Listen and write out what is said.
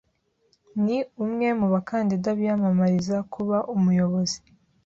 Ni umwe mu bakandida biyamamariza kuba umuyobozi.